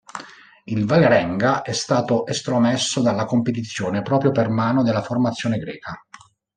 Il Vålerenga è stato estromesso dalla competizione proprio per mano della formazione greca.